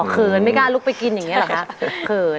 เขินไม่กล้าลุกไปกินอย่างนี้เหรอคะเขิน